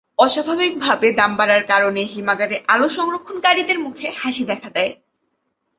অস্বাভাবিকভাবে দাম বাড়ার কারণে হিমাগারে আলু সংরক্ষণকারীদের মুখে হাসি দেখা দেয়।